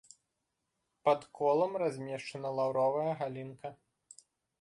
Пад колам размешчана лаўровая галінка.